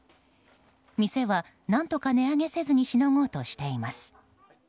店は、何とか値上げせずにしのごうとしています。